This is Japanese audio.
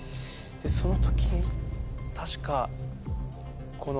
その時確か。